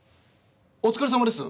お疲れさまです。